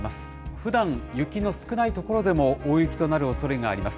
ふだん、雪の少ない所でも大雪となるおそれがあります。